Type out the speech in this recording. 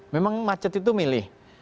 memang macet itu milih